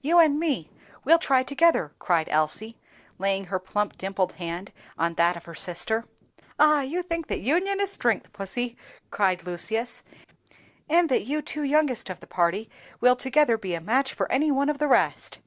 "You and me, we'll try together," cried Elsie, laying her plump dimpled hand on that of her sister. "Ah! you think that union is strength, Pussie!" cried Lucius; "and that you two youngest of the party will together be a match for any one of the rest."